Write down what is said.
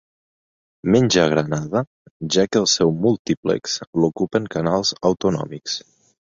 Menys a Granada, ja que el seu múltiplex l'ocupen canals autonòmics.